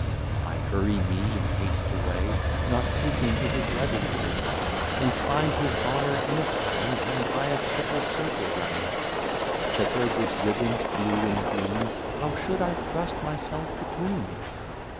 I hurry me in haste away, Not thinking it is levee day; And find his honour in a pound, Hemm'd by a triple circle round, Chequer'd with ribbons blue and green: How should I thrust myself between?